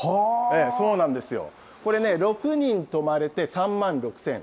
そうなんですよ、これね、６人泊まれて３万６０００円。